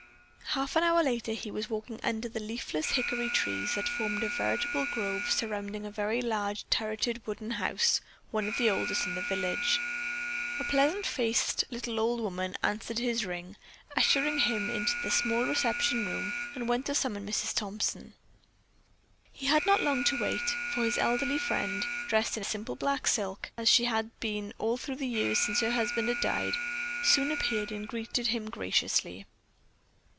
An hour later he was walking under the leafless hickory trees that formed a veritable grove surrounding a very large turreted wooden house, one of the oldest in the village. A pleasant faced little old woman answered his ring, ushered him into the small reception room, and went to summon Mrs. Thompson. He had not long to wait, for his elderly friend, dressed in a simple black silk, as she had been all through the years since her husband had died, soon appeared and greeted him graciously.